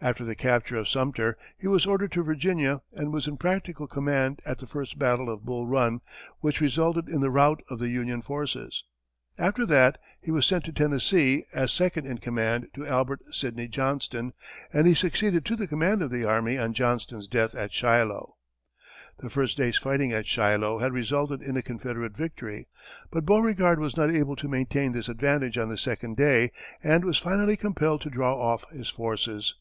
After the capture of Sumter, he was ordered to Virginia and was in practical command at the first battle of Bull Run, which resulted in the rout of the Union forces. After that, he was sent to Tennessee, as second in command to Albert Sidney Johnston, and he succeeded to the command of the army on Johnston's death at Shiloh. The first day's fighting at Shiloh had resulted in a Confederate victory, but Beauregard was not able to maintain this advantage on the second day, and was finally compelled to draw off his forces.